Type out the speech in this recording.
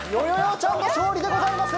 ちゃんの勝利でございます！